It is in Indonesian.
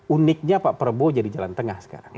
uniknya pak prabowo jadi jalan tengah sekarang